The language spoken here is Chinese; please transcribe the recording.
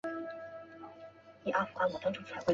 尚旺的总面积为平方公里。